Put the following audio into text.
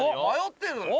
迷ってる。